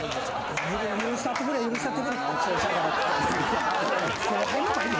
許したってくれ許したってくれ。